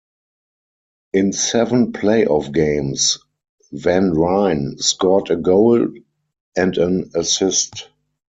In seven playoff games, Van Ryn scored a goal and an assist.